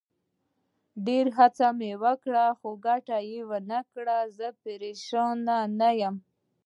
ډېر څه مې وکړل، خو ګټه یې ونه کړه، زه پرېشانه نه یم.